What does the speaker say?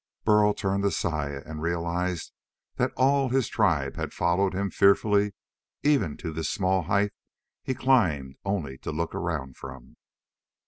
Burl turned to Saya, and realized that all his tribe had followed him fearfully even to this small height he'd climbed only to look around from.